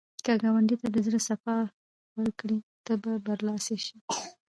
که ګاونډي ته د زړه صفا ورکړې، ته به برلاسی شې